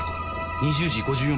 ２０時５４分です。